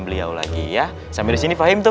beliau lagi ya sambil disini fahim tuh